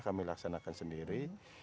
kami laksanakan sendiri